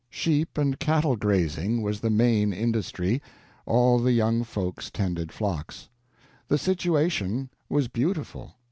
Sheep and cattle grazing was the main industry; all the young folks tended flocks. The situation was beautiful.